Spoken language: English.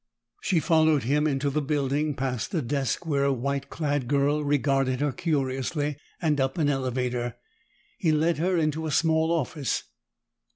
She followed him into the building, past a desk where a white clad girl regarded her curiously, and up an elevator. He led her into a small office.